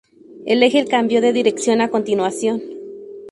El eje cambió de dirección a continuación.